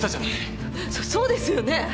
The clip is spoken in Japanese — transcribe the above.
そっそうですよね？